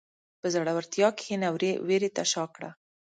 په زړورتیا کښېنه، وېرې ته شا کړه.